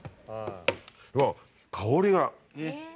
うわ香りが。